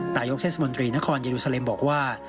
นายกเทศมนตรีนครเยรูซาเลมบอกว่า